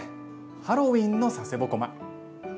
ハロウィーンの佐世保独楽。